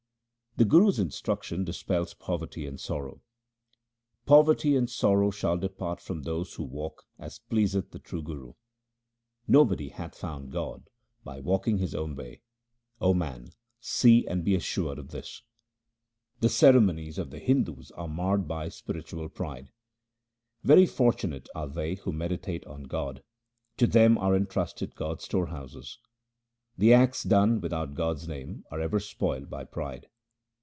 The Guru's instruction dispels poverty and sor row :— Poverty and sorrow shall depart from those who walk as pleaseth the true Guru. 346 THE SIKH RELIGION Nobody hath found God by walking his own way ; O man, see and be assured of this. The ceremonies of the Hindus are marred by spiritual pride :— Very fortunate are they who meditate on God ; to them are entrusted God's storehouses. The acts done without God's name are ever spoiled by pride.